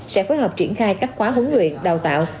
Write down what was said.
sẽ phối hợp triển khai các khóa huấn luyện đào tạo